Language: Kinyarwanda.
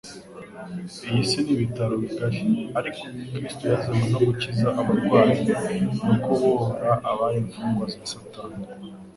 Iyi si ni ibitaro bigari, ariko Kristo yazanywe no gukiza abarwayi no kubohora abari imfungwa za Satani.